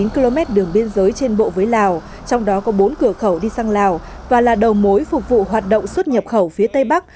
một mươi km đường biên giới trên bộ với lào trong đó có bốn cửa khẩu đi sang lào và là đầu mối phục vụ hoạt động xuất nhập khẩu phía tây bắc